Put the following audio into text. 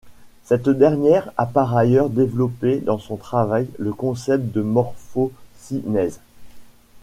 Cette dernière a par ailleurs développé dans son travail le concept de morphocinèse.